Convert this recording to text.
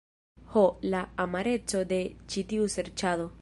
Ho, la amareco de ĉi tiu serĉado.